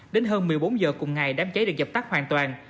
đến hơn một mươi bốn h cùng ngày đám cháy được dập tắt hoàn toàn